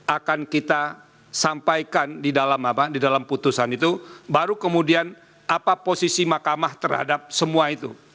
akan kita sampaikan di dalam putusan itu baru kemudian apa posisi mahkamah terhadap semua itu